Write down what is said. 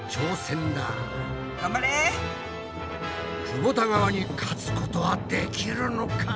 くぼた川に勝つことはできるのか？